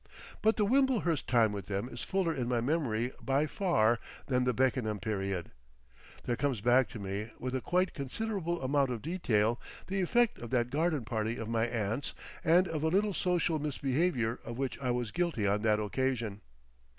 But the Wimblehurst time with them is fuller in my memory by far then the Beckenham period. There comes back to me with a quite considerable amount of detail the effect of that garden party of my aunt's and of a little social misbehaviour of which I was guilty on that occasion.